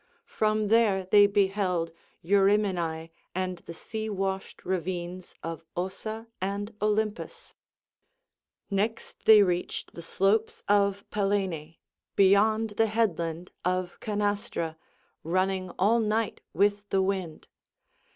From there they beheld Eurymenae and the seawashed ravines of Ossa and Olympus; next they reached the slopes of Pallene, beyond the headland of Canastra, running all night with the wind.